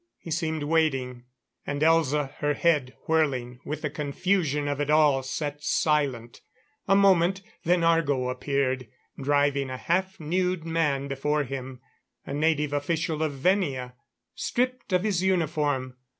He seemed waiting; and Elza, her head whirling with the confusion of it all, sat silent. A moment; then Argo appeared, driving a half nude man before him. A native official of Venia, stripped of his uniform.